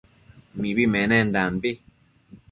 Mibi menendanbi